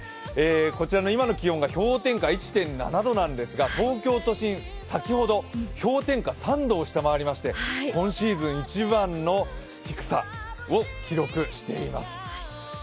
こちらの今の気温が氷点下１．７度なんですが、東京都心、先ほど氷点下３度を下回りまして今シーズン一番の低さを記録しています。